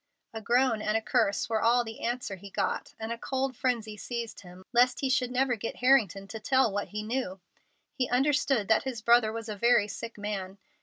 A groan and a curse were all the answer he got, and a cold frenzy seized him, lest he should never get Harrington to tell what he knew. He understood that his brother was a very sick man.